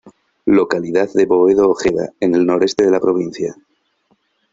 Localidad de Boedo-Ojeda, en el noreste de la provincia.